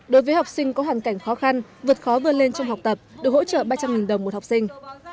đối với học sinh có hoàn cảnh khó khăn vượt khó vươn lên trong học tập được hỗ trợ ba trăm linh đồng một học sinh